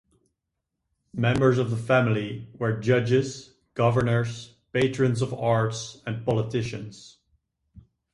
Members of the family were judges, governors, patrons of arts, and politicians.